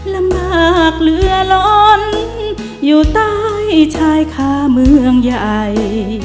ลำบากเหลือล้นอยู่ใต้ชายคาเมืองใหญ่